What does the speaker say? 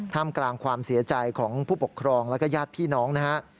กลางความเสียใจของผู้ปกครองแล้วก็ญาติพี่น้องนะฮะ